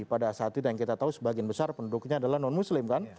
pada saat itu yang kita tahu sebagian besar penduduknya adalah non muslim kan